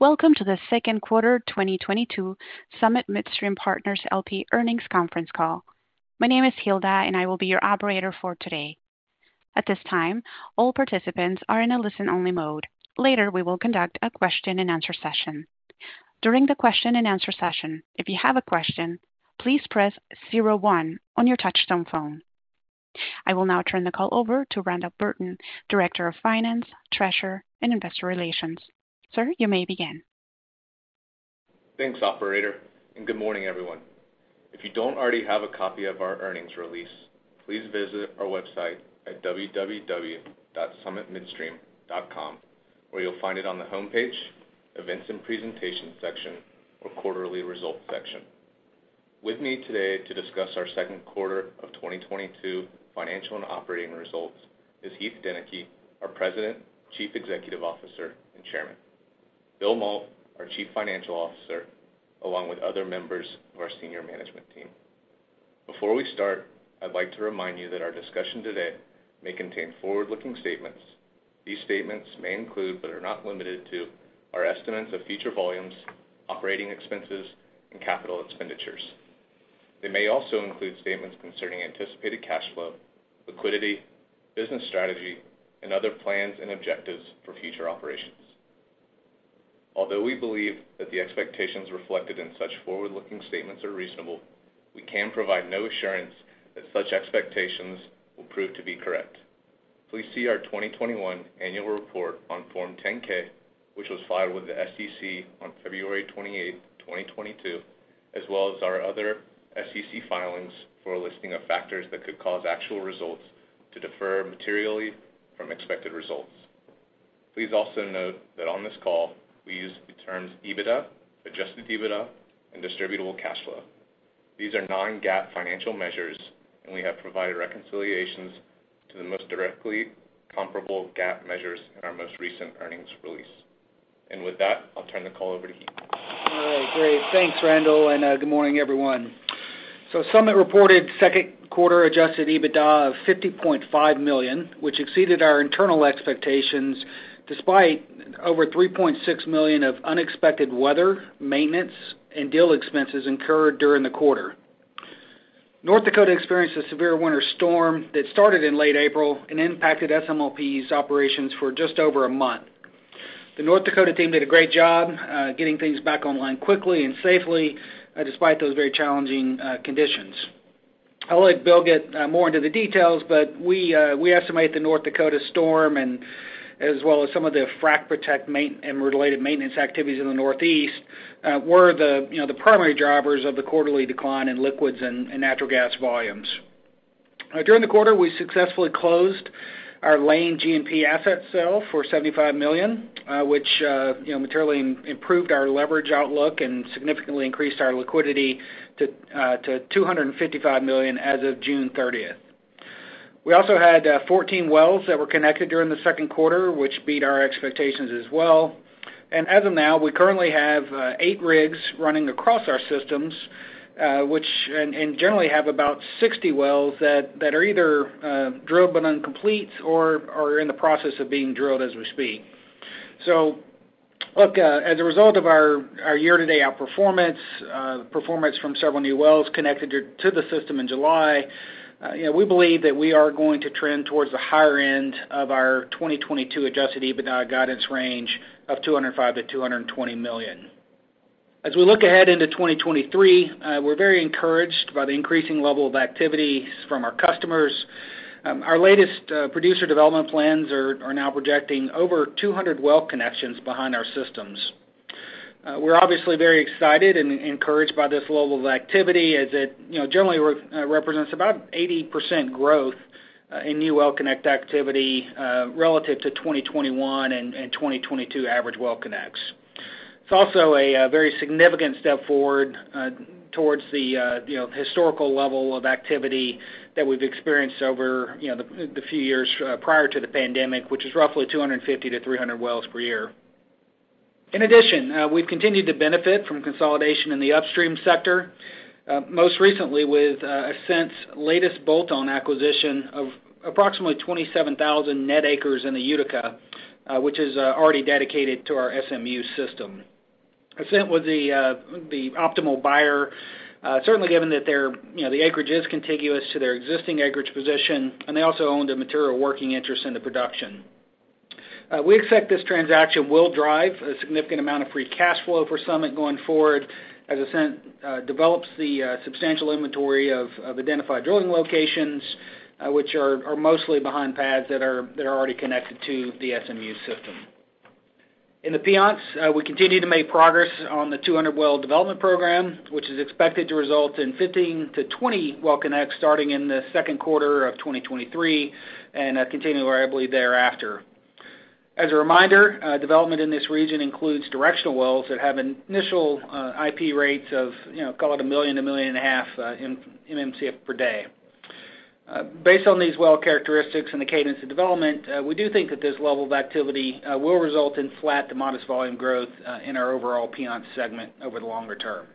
Welcome to the second quarter 2022 Summit Midstream Partners, LP earnings conference call. My name is Hilda and I will be your operator for today. At this time, all participants are in a listen-only mode. Later, we will conduct a question-and-answer session. During the question-and-answer session, if you have a question, please press zero one on your touchtone phone. I will now turn the call over to Randall Burton, Director of Finance, Treasurer, and Investor Relations. Sir, you may begin. Thanks, operator, and good morning, everyone. If you don't already have a copy of our earnings release, please visit our website at www.summitmidstream.com, where you'll find it on the homepage, Events and Presentation section or Quarterly Results section. With me today to discuss our second quarter of 2022 financial and operating results is Heath Deneke, our President, Chief Executive Officer, and Chairman. Bill Mault, our Chief Financial Officer, along with other members of our senior management team. Before we start, I'd like to remind you that our discussion today may contain forward-looking statements. These statements may include, but are not limited to, our estimates of future volumes, operating expenses, and capital expenditures. They may also include statements concerning anticipated cash flow, liquidity, business strategy, and other plans and objectives for future operations. Although we believe that the expectations reflected in such forward-looking statements are reasonable, we can provide no assurance that such expectations will prove to be correct. Please see our 2021 annual report on Form 10-K, which was filed with the SEC on February 28th, 2022, as well as our other SEC filings for a listing of factors that could cause actual results to defer materially from expected results. Please also note that on this call, we use the terms EBITDA, Adjusted EBITDA, and Distributable Cash Flow. These are Non-GAAP financial measures, and we have provided reconciliations to the most directly comparable GAAP measures in our most recent earnings release. With that, I'll turn the call over to Heath. All right, great. Thanks, Randall, and good morning, everyone. Summit reported second quarter Adjusted EBITDA of $50.5 million, which exceeded our internal expectations despite over $3.6 million of unexpected weather, maintenance, and deal expenses incurred during the quarter. North Dakota experienced a severe winter storm that started in late April and impacted SMLP's operations for just over a month. The North Dakota team did a great job getting things back online quickly and safely despite those very challenging conditions. I'll let Bill get more into the details, but we estimate the North Dakota storm and as well as some of the frac protect and related maintenance activities in the Northeast were the, you know, the primary drivers of the quarterly decline in liquids and natural gas volumes. During the quarter, we successfully closed our Lane GMP asset sale for $75 million, which, you know, materially improved our leverage outlook and significantly increased our liquidity to $255 million as of June 30th. We also had 14 wells that were connected during the second quarter, which beat our expectations as well. As of now, we currently have 8 rigs running across our systems, which and generally have about 60 wells that are either drilled but uncompleted or are in the process of being drilled as we speak. Look, as a result of our year-to-date outperformance, performance from several new wells connected to the system in July, you know, we believe that we are going to trend towards the higher end of our 2022 Adjusted EBITDA guidance range of $205 million-$220 million. As we look ahead into 2023, we're very encouraged by the increasing level of activity from our customers. Our latest producer development plans are now projecting over 200 well connections behind our systems. We're obviously very excited and encouraged by this level of activity as it, you know, generally represents about 80% growth in new well connect activity relative to 2021 and 2022 average well connects. It's also a very significant step forward towards the you know historical level of activity that we've experienced over you know the few years prior to the pandemic, which is roughly 250-300 wells per year. In addition we've continued to benefit from consolidation in the upstream sector most recently with Ascent's latest bolt-on acquisition of approximately 27,000 net acres in the Utica which is already dedicated to our SMU system. Ascent was the optimal buyer certainly given that their you know the acreage is contiguous to their existing acreage position, and they also owned a material working interest in the production. We expect this transaction will drive a significant amount of free cash flow for Summit going forward as Ascent develops the substantial inventory of identified drilling locations, which are mostly behind pads that are already connected to the SMU system. In the Piceance, we continue to make progress on the 200-well development program, which is expected to result in 15-20 well connects starting in the second quarter of 2023 and continually thereafter. As a reminder, development in this region includes directional wells that have an initial IP rates of, you know, call it 1 million, 1.5 million in MCF per day. Based on these well characteristics and the cadence of development, we do think that this level of activity will result in flat to modest volume growth in our overall Piceance segment over the longer term.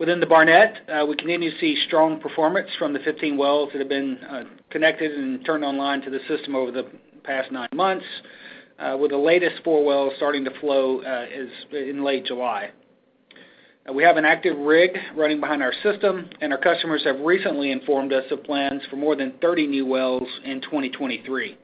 Within the Barnett, we continue to see strong performance from the 15 wells that have been connected and turned online to the system over the past nine months, with the latest four wells starting to flow in late July. Now we have an active rig running behind our system, and our customers have recently informed us of plans for more than 30 new wells in 2023.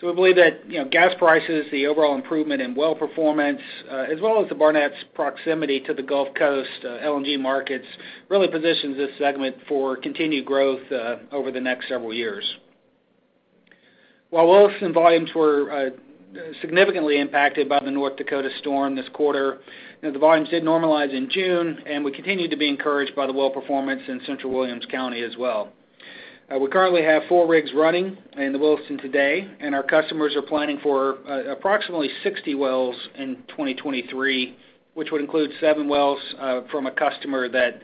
We believe that, you know, gas prices, the overall improvement in well performance, as well as the Barnett's proximity to the Gulf Coast, LNG markets, really positions this segment for continued growth, over the next several years. While Williston volumes were significantly impacted by the North Dakota storm this quarter, you know, the volumes did normalize in June, and we continue to be encouraged by the well performance in central Williams County as well. We currently have four rigs running in the Williston today, and our customers are planning for approximately 60 wells in 2023, which would include seven wells from a customer that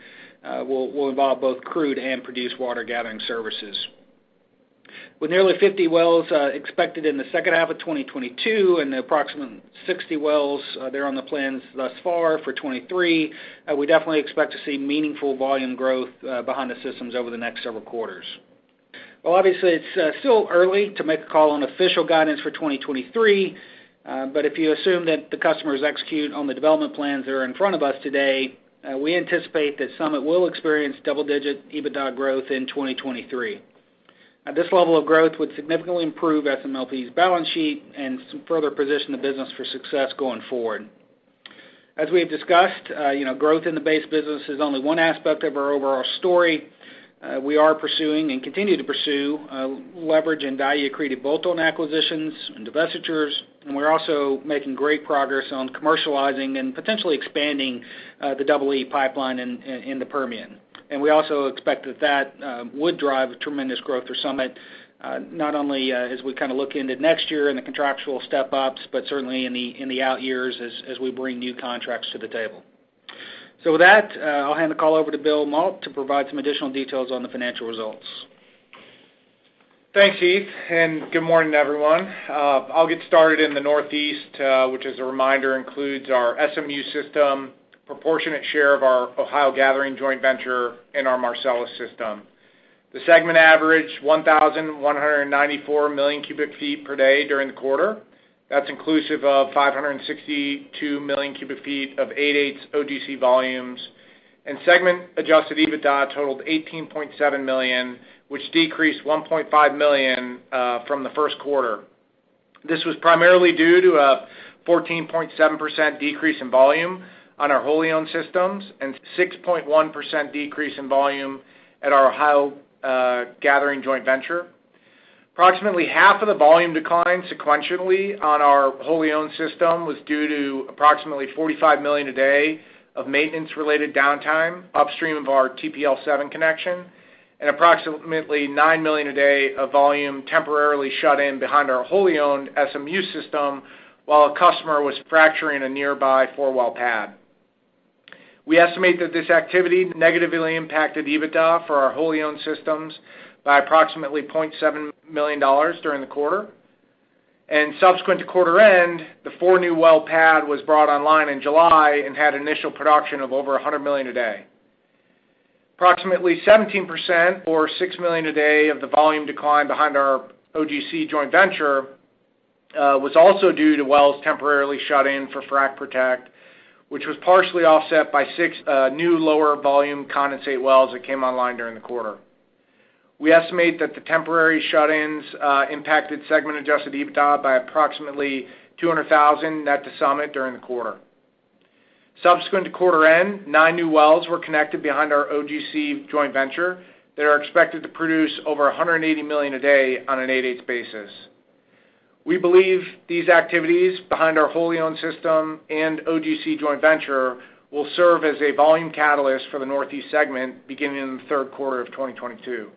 will involve both crude and produced water gathering services. With nearly 50 wells expected in the second half of 2022 and the approximate 60 wells there on the plans thus far for 2023, we definitely expect to see meaningful volume growth behind the systems over the next several quarters. Well, obviously, it's still early to make a call on official guidance for 2023, but if you assume that the customers execute on the development plans that are in front of us today, we anticipate that Summit will experience double-digit EBITDA growth in 2023. At this level of growth would significantly improve SMLP's balance sheet and some further position the business for success going forward. As we have discussed, you know, growth in the base business is only one aspect of our overall story. We are pursuing and continue to pursue leverage and value accretive bolt-on acquisitions and divestitures, and we're also making great progress on commercializing and potentially expanding the Double Eagle Pipeline in the Permian. We also expect that would drive a tremendous growth for Summit, not only as we kind of look into next year and the contractual step-ups, but certainly in the out years as we bring new contracts to the table. With that, I'll hand the call over to Bill Mault to provide some additional details on the financial results. Thanks, Heath, and good morning, everyone. I'll get started in the Northeast, which as a reminder, includes our SMU system, proportionate share of our Ohio Gathering joint venture and our Marcellus system. The segment averaged 1,194 million cubic feet per day during the quarter. That's inclusive of 562 million cubic feet of 8/8ths OGC volumes. Segment-adjusted EBITDA totaled $18.7 million, which decreased $1.5 million from the first quarter. This was primarily due to a 14.7% decrease in volume on our wholly owned systems and 6.1% decrease in volume at our Ohio Gathering joint venture. Approximately half of the volume decline sequentially on our wholly-owned system was due to approximately $45 million a day of maintenance-related downtime upstream of our TPL-7 connection and approximately 9 million a day of volume temporarily shut in behind our wholly-owned SMU system while a customer was fracturing a nearby four-well pad. We estimate that this activity negatively impacted EBITDA for our wholly-owned systems by approximately $0.7 million during the quarter. Subsequent to quarter end, the four new well pad was brought online in July and had initial production of over 100 million a day. Approximately 17% or $6 million a day of the volume decline behind our OGC joint venture was also due to wells temporarily shut in for frac protect, which was partially offset by 6 new lower volume condensate wells that came online during the quarter. We estimate that the temporary shut-ins impacted segment-adjusted EBITDA by approximately $200,000 net to Summit during the quarter. Subsequent to quarter end, nine new wells were connected behind our OGC joint venture that are expected to produce over 180 million a day on an eight-eighths basis. We believe these activities behind our wholly owned system and OGC joint venture will serve as a volume catalyst for the Northeast segment beginning in the third quarter of 2022.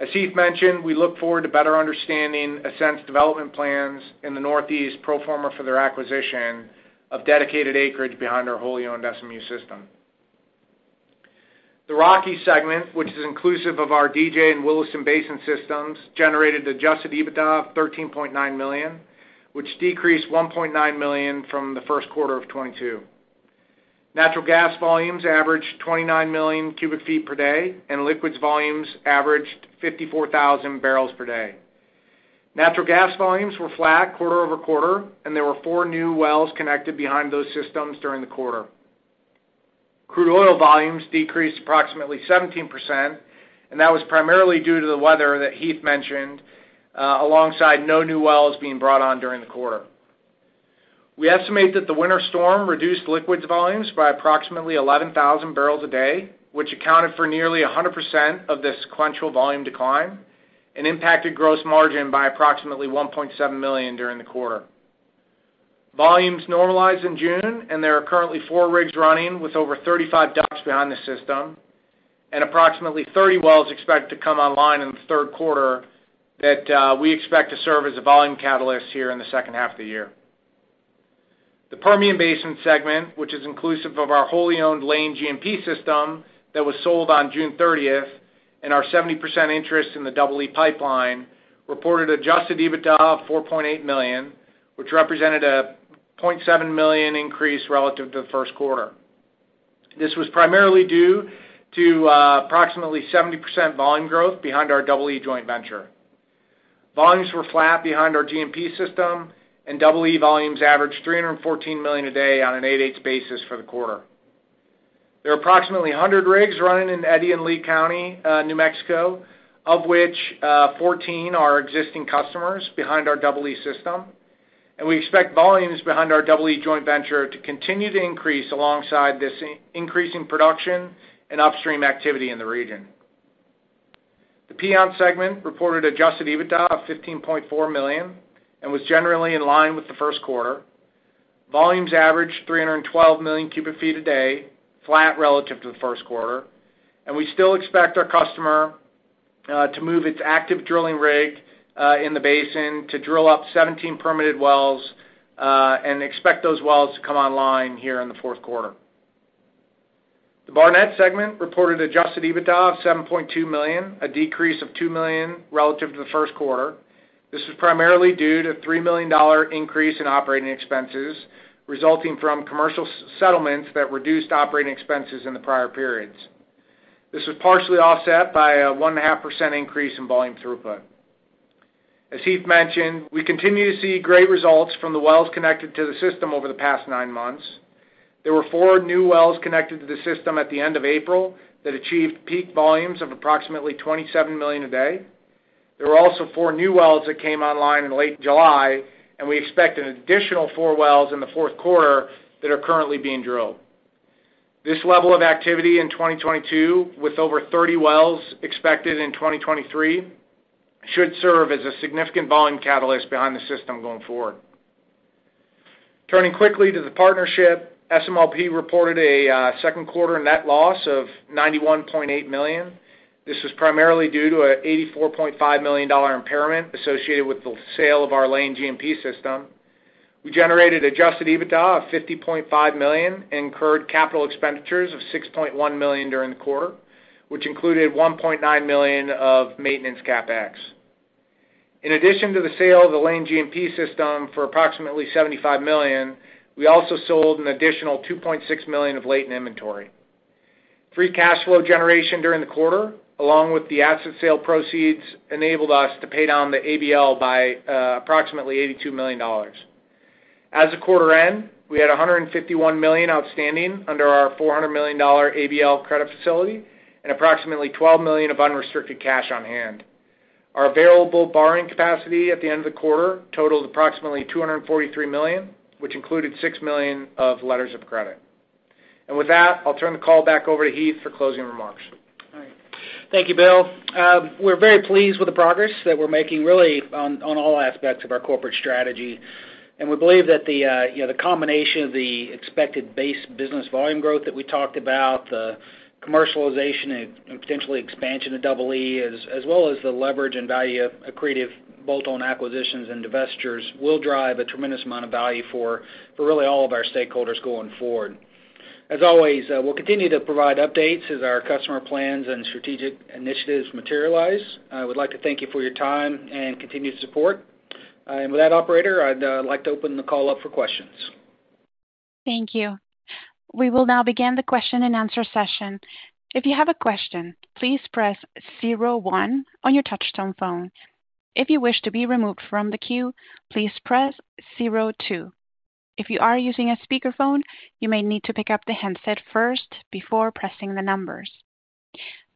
As Heath mentioned, we look forward to better understanding Ascent's development plans in the Northeast pro forma for their acquisition of dedicated acreage behind our wholly owned SMU system. The Rocky segment, which is inclusive of our DJ and Williston Basin systems, generated Adjusted EBITDA of $13.9 million, which decreased $1.9 million from the first quarter of 2022. Natural gas volumes averaged 29 million cubic feet per day, and liquids volumes averaged 54,000 barrels per day. Natural gas volumes were flat quarter-over-quarter, and there were 4 new wells connected behind those systems during the quarter. Crude oil volumes decreased approximately 17%, and that was primarily due to the weather that Heath mentioned, alongside no new wells being brought on during the quarter. We estimate that the winter storm reduced liquids volumes by approximately 11,000 barrels a day, which accounted for nearly 100% of this sequential volume decline and impacted gross margin by approximately $1.7 million during the quarter. Volumes normalized in June, and there are currently 4 rigs running with over 35 DUCs behind the system and approximately 30 wells expected to come online in the third quarter that we expect to serve as a volume catalyst here in the second half of the year. The Permian Basin segment, which is inclusive of our wholly owned Lane GMP system that was sold on June 30th and our 70% interest in the Double Eagle Pipeline, reported adjusted EBITDA of $4.8 million, which represented a $0.7 million increase relative to the first quarter. This was primarily due to approximately 70% volume growth behind our Double E joint venture. Volumes were flat behind our GMP system, and Double E volumes averaged 314 million a day on an 8-8 basis for the quarter. There are approximately 100 rigs running in Eddy and Lee County, New Mexico, of which, 14 are existing customers behind our Double E system. We expect volumes behind our Double E joint venture to continue to increase alongside this increasing production and upstream activity in the region. The Piceance segment reported adjusted EBITDA of $15.4 million and was generally in line with the first quarter. Volumes averaged 312 million cubic feet a day, flat relative to the first quarter. We still expect our customer, to move its active drilling rig, in the basin to drill up 17 permitted wells, and expect those wells to come online here in the fourth quarter. The Barnett segment reported adjusted EBITDA of $7.2 million, a decrease of $2 million relative to the first quarter. This was primarily due to a $3 million increase in operating expenses resulting from commercial settlements that reduced operating expenses in the prior periods. This was partially offset by a 1.5% increase in volume throughput. As Heath mentioned, we continue to see great results from the wells connected to the system over the past nine months. There were four new wells connected to the system at the end of April that achieved peak volumes of approximately 27 million a day. There were also four new wells that came online in late July, and we expect an additional four wells in the fourth quarter that are currently being drilled. This level of activity in 2022, with over 30 wells expected in 2023, should serve as a significant volume catalyst behind the system going forward. Turning quickly to the partnership, SMLP reported a second quarter net loss of $91.8 million. This was primarily due to an $84.5 million impairment associated with the sale of our Lane GMP system. We generated adjusted EBITDA of $50.5 million and incurred capital expenditures of $6.1 million during the quarter, which included $1.9 million of maintenance CapEx. In addition to the sale of the Lane GMP system for approximately $75 million, we also sold an additional $2.6 million of Layton inventory. Free cash flow generation during the quarter, along with the asset sale proceeds, enabled us to pay down the ABL by approximately $82 million. As of quarter end, we had $151 million outstanding under our $400 million ABL credit facility and approximately $12 million of unrestricted cash on hand. Our available borrowing capacity at the end of the quarter totaled approximately $243 million, which included $6 million of letters of credit. With that, I'll turn the call back over to Heath for closing remarks. All right. Thank you, Bill. We're very pleased with the progress that we're making really on all aspects of our corporate strategy. We believe that the combination of the expected base business volume growth that we talked about, the commercialization and potentially expansion to Double E, as well as the leverage and value of accretive bolt-on acquisitions and divestitures, will drive a tremendous amount of value for really all of our stakeholders going forward. As always, we'll continue to provide updates as our customer plans and strategic initiatives materialize. I would like to thank you for your time and continued support. With that, operator, I'd like to open the call up for questions. Thank you. We will now begin the question-and-answer session. If you have a question, please press zero one on your touch tone phone. If you wish to be removed from the queue, please press zero two. If you are using a speakerphone, you may need to pick up the handset first before pressing the numbers.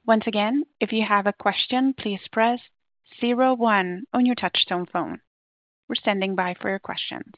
Once again, if you have a question, please press zero one on your touch tone phone. We're standing by for your questions.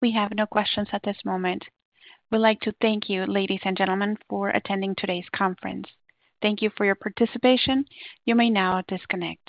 We have no questions at this moment. We'd like to thank you, ladies and gentlemen, for attending today's conference. Thank you for your participation. You may now disconnect.